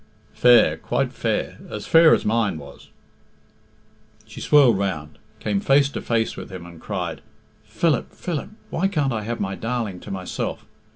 "Fair, quite fair; as fair as mine was " She swirled round, came face to face with him, and cried, "Philip, Philip, why can't I have my darling to myself?